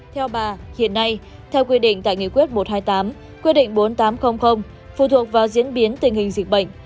theo bà hiện nay theo quy định tại nghị quyết một trăm hai mươi tám quy định bốn nghìn tám trăm linh phụ thuộc vào diễn biến tình hình dịch bệnh